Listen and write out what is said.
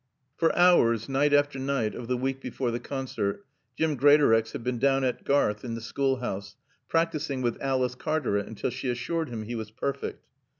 For hours, night after night, of the week before the concert, Jim Greatorex had been down at Garth, in the schoolhouse, practicing with Alice Cartaret until she assured him he was perfect.